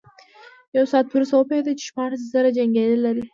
يو ساعت وروسته وپوهېد چې شپاړس زره جنيګالي لري.